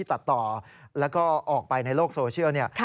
ตัดต่อแล้วก็ออกไปในโลกโซเชียลเนี่ย